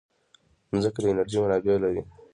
مځکه د انرژۍ منابع لري.